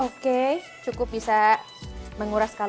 oke cukup bisa menguras kalau